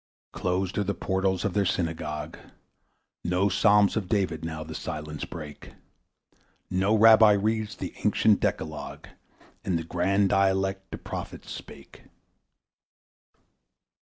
Closed are the portals of their Synagogue, No Psalms of David now the silence break, No Rabbi reads the ancient Decalogue In the grand dialect the Prophets spake.